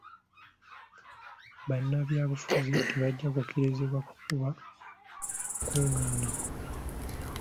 Bannabyabufuzi tebajja kukkirizibwa kukuba nkungaana.